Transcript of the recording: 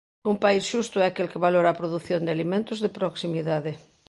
Un país xusto é aquel que valora a produción de alimentos de proximidade.